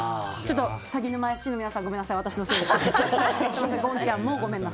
さぎぬまＦＣの皆さんごめんなさい、私のせいです。